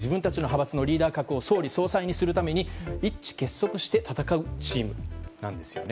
皆さん忠誠心があって自分たちの派閥のリーダー格を総理総裁にするために一致結束して戦うチームなんですよね。